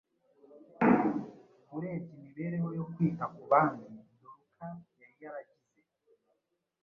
Urebye imibereho yo kwita ku bandi Doruka yari yaragize,